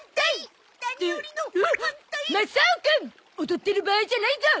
踊ってる場合じゃないゾ！